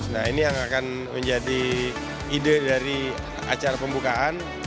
nah ini yang akan menjadi ide dari acara pembukaan